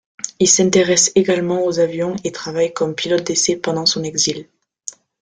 Il s'intéresse également aux avions et travaille comme pilote d'essai pendant son exil.